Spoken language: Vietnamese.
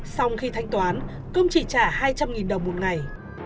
sau khi thanh toán công chỉ trả hai trăm linh đồng một ngày